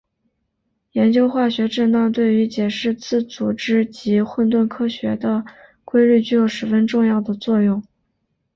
研究化学振荡对于解释自组织及混沌科学的规律具有十分重要的作用。